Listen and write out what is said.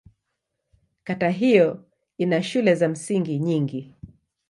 Kata hiyo ina shule za msingi nyingi.